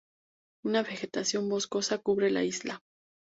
Una vegetación boscosa cubre la isla.